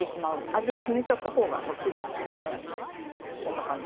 味を決めてしまったほうが楽ですね。